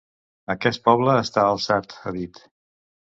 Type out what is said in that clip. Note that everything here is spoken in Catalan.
Aquest poble està alçat, ha dit.